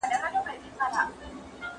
شننه باید په علمي او منطقي ډول ترسره سي.